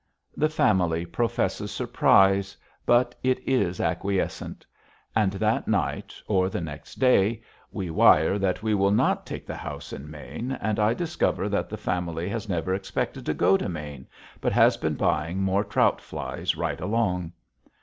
The family professes surprise, but it is acquiescent. And that night, or the next day, we wire that we will not take the house in Maine, and I discover that the family has never expected to go to Maine, but has been buying more trout flies right along.